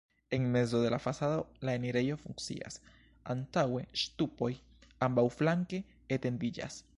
En mezo de la fasado la enirejo funkcias, antaŭe ŝtupoj ambaŭflanke etendiĝas.